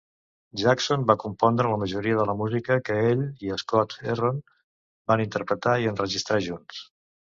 Jackson va compondre la majoria de la música que ell i Scott-Heron van interpretar i enregistrar junts.